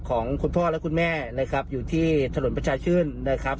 ของคุณพ่อและคุณแม่นะครับอยู่ที่ถนนประชาชื่นนะครับ